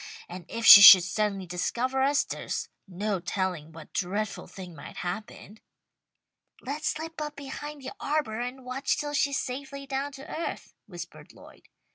And if she should suddenly discover us there's no telling what dreadful thing might happen." "Let's slip up behind the arbour and watch till she's safely down to earth," whispered Lloyd.